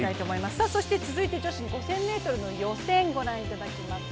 そして続いて女子５０００ｍの予選、ご覧いただきます。